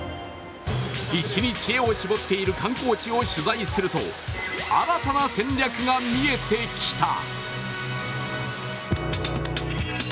必死に知恵を絞っている観光地を取材すると新たな戦略が見えてきた。